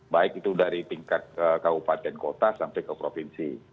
baik itu dari tingkat kabupaten kota sampai ke provinsi